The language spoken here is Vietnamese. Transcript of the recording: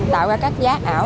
tạo ra các giá ảo